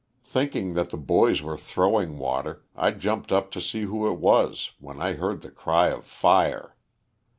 Thinking 372 LOSS OF THE SULTANA. that the boys were throwing water, I jumped up to see who it was, when I heard the cry of fire.